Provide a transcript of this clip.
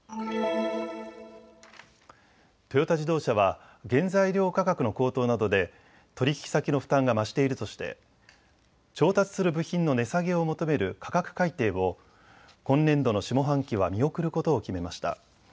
トヨタ自動車は原材料価格の高騰などで取引先の負担が増しているとして調達する部品の値下げを求める価格改定を今年度の下半期は見送ることを決めました。